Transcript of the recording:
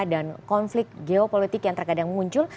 dan konflik geopolitik yang terkadang muncul